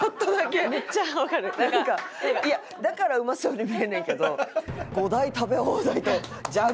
いやだからうまそうに見えんねんけど。